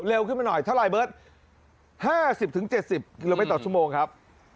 เร็วขึ้นมาหน่อยเท่าไหร่เบิร์ต๕๐๗๐ลงไปต่อชั่วโมงครับ